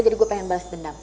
jadi gue pengen balas dendam